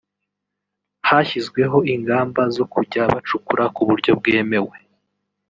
hashyizweho ingamba zo kujya bacukura ku buryo bwemewe